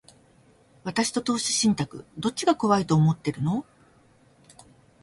私と投資信託、どっちが怖いと思ってるの？